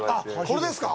これですか？